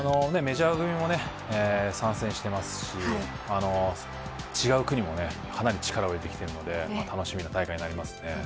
メジャー組も参戦していますし違う国も、かなり力を入れてきているのでかなり楽しみです。